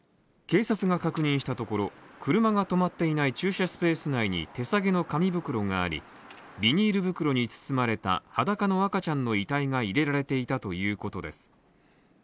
警察が確認したところ、車がとまっていない駐車スペース内に手提げの紙袋がありビニール袋に包まれた、裸の赤ちゃんの遺体が入れられていたということです。